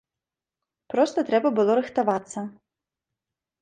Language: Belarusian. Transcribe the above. Проста трэба было рыхтавацца.